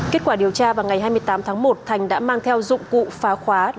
kết quả điều tra vào ngày hai mươi tám tháng một thành đã mang theo dụng cụ phá khóa